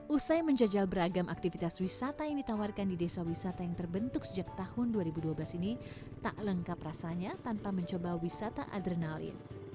usai menjajal beragam aktivitas wisata yang ditawarkan di desa wisata yang terbentuk sejak tahun dua ribu dua belas ini tak lengkap rasanya tanpa mencoba wisata adrenalin